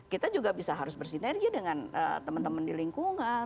kita juga bisa harus bersinergi dengan teman teman di lingkungan